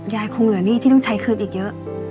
คงเหลือหนี้ที่ต้องใช้คืนอีกเยอะ